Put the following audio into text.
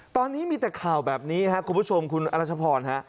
ตอนนี้มีแต่ข่าวแบบนี้คุณผู้ชมคุณอัลชพร